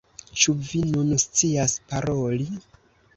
Ĉu vi nun scias paroli?